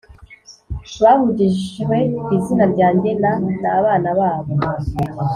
Bahugijwe Izina Ryanjye Na Nabana Babo